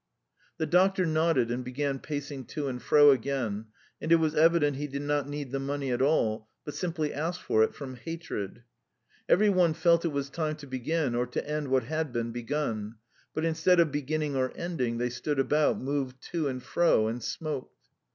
The doctor nodded and began pacing to and fro again, and it was evident he did not need the money at all, but simply asked for it from hatred. Every one felt it was time to begin, or to end what had been begun, but instead of beginning or ending, they stood about, moved to and fro and smoked.